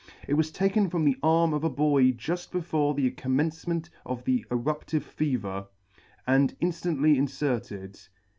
It was taken from the arm of a boy juft before the commencement of the eruptive fever, and inftantly inferted.